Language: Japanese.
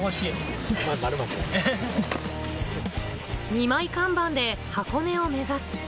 ２枚看板で箱根を目指す。